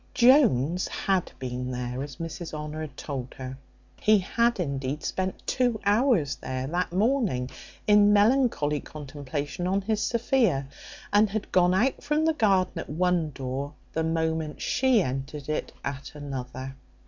Jones had been there as Mrs Honour had told her; he had indeed spent two hours there that morning in melancholy contemplation on his Sophia, and had gone out from the garden at one door the moment she entered it at another.